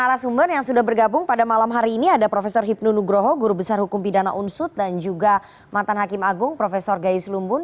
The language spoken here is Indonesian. dan para sumber yang sudah bergabung pada malam hari ini ada prof hipnu nugroho guru besar hukum pidana unsut dan juga matan hakim agung prof gaius lumbun